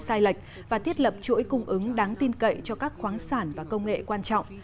sai lệch và thiết lập chuỗi cung ứng đáng tin cậy cho các khoáng sản và công nghệ quan trọng